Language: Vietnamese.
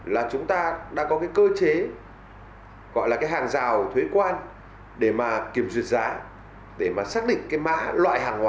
là chúng ta đã có cái cơ chế gọi là cái hàng rào thuế quan để mà kiểm duyệt giá để mà xác định cái mã loại hàng hóa